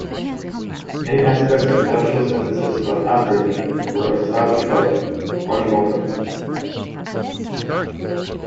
Many aspects of industrial synthesis of aspartame were established by Ajinomoto.